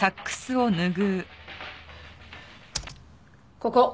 ここ。